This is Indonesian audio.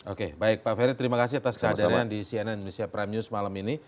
oke baik pak ferry terima kasih atas kehadirannya di cnn indonesia prime news malam ini